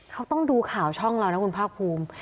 เขาต้องดูข่าวช่องเรานะคุณภาคภูมิ